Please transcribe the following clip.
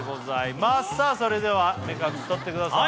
それでは目隠し取ってください